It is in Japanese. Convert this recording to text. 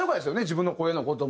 自分の声の事も。